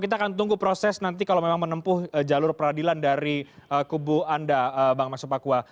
kita akan tunggu proses nanti kalau memang menempuh jalur peradilan dari kubu anda bang masupakua